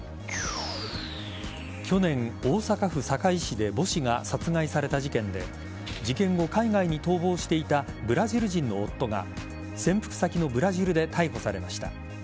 去年、大阪府堺市で母子が殺害された事件で事件後、海外に逃亡していたブラジル人の夫が潜伏先のブラジルで逮捕されました。